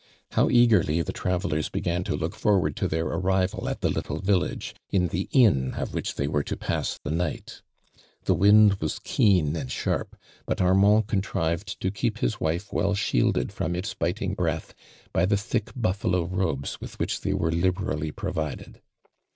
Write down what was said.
How eagerly the travellers began to look forward to their an ival at the little village, ii) the inn of which they were to pass the inght. The wind was keen ancl sharp, but Armand contrived to keep his wife well shiekled from its biting breath by the tliick bufl'alo robes with which they were liberally provided.